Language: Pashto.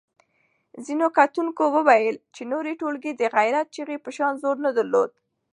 ځینو کتونکو وویل چې نورې ټولګې د غیرت چغې په شان زور نه درلود.